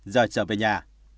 giờ trở về nhà